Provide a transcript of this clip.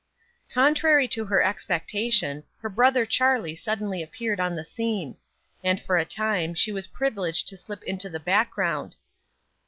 Contrary to her expectation, her brother Charlie suddenly appeared on the scene; and for a time she was privileged to slip into the background.